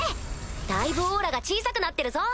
だいぶオーラが小さくなってるぞ。